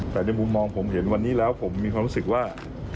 แต่ในมุมมองผมเห็นวันนี้แล้วผมมีความรู้สึกว่า